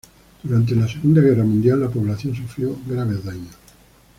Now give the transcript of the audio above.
Durante la Segunda Guerra Mundial la población sufrió graves daños.